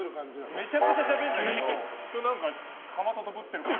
めちゃくちゃしゃべるんだけど今日はカマトトぶってる感じ。